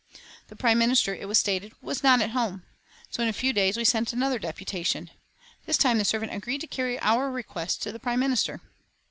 The Prime Minister, it was stated, was not at home; so in a few days we sent another deputation. This time the servant agreed to carry our request to the Prime Minister.